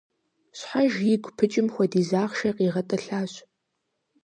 Щхьэж игу пыкӏым хуэдиз ахъшэ къигъэтӏылъащ.